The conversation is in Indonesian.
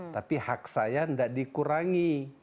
tapi hak saya tidak dikurangi